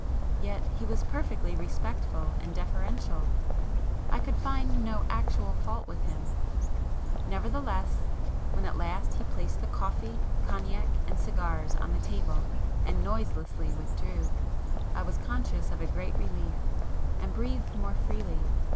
Yet he was perfectly respectful and deferential; I could find no actual fault with him,—nevertheless when at last he placed the coffee, cognac, and cigars on the table and [p 59] noiselessly withdrew, I was conscious of a great relief, and breathed more freely.